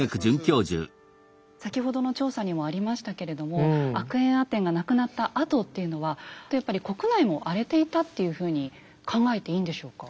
先ほどの調査にもありましたけれどもアクエンアテンが亡くなったあとっていうのはやっぱり国内も荒れていたっていうふうに考えていいんでしょうか？